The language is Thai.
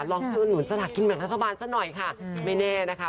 ลงทุนหนุนสลากกินแบ่งรัฐบาลซะหน่อยค่ะไม่แน่นะคะ